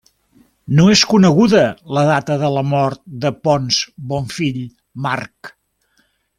No és coneguda la data de la mort de Ponç Bonfill Marc.